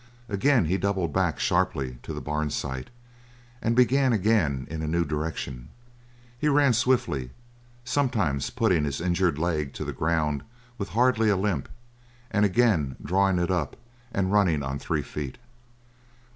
Again he doubled back sharply to the barn site, and began again in a new direction. He ran swiftly, sometimes putting his injured leg to the ground with hardly a limp, and again drawing it up and running on three feet.